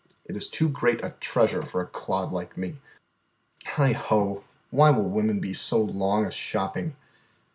It is too great a treasure for a clod like me. Heigho, why will women be so long a shopping?"